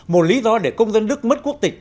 một lý do để công dân đức mất quốc tịch